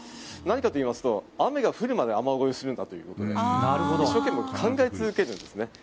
何かといいますと雨が降るまで雨ごいするんだということで一生懸命考え続けるんですね。